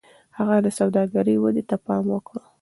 هغه د سوداګرۍ ودې ته پام وکړ.